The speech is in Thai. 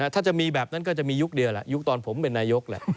ถ้าจะมีแบบนั้นก็จะมียุคเดียวแหละยุคตอนผมเป็นนายกแหละ